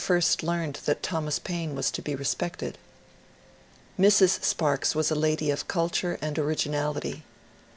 first learned that Thomas Paine was to be respected. Mrs. Sparks was a lady of culture and originality.